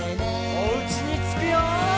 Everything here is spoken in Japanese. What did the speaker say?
おうちにつくよ！